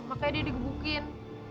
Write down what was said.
makanya dia digebukin